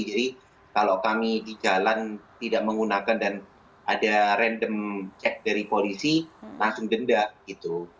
jadi kalau kami di jalan tidak menggunakan dan ada random cek dari polisi langsung denda gitu